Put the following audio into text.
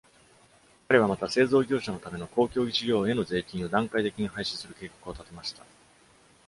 彼はまた、製造業者のための公共事業への税金を段階的に廃止する計画を立てました。